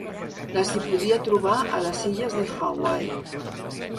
Les hi podia trobar a les illes de Hawaii.